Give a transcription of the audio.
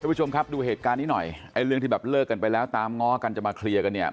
ผู้ชมครับดูเหตุการณ์นี้หน่อยไอ้เรื่องที่แบบเลิกกันไปแล้วตามง้อกันจะมาเคลียร์กันเนี่ย